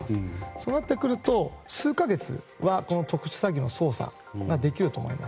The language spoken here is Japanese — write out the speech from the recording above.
そうなってくると数か月は特殊詐欺の捜査ができると思います。